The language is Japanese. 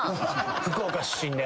福岡出身で。